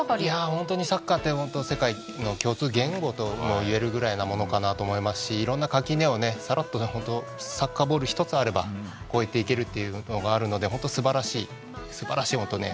本当にサッカーって本当、世界の共通言語とも言えるぐらいなものかなと思いますしいろんな垣根をさらっとサッカーボール１つあれば越えていけるというのがあるので本当にすばらしい、本当ね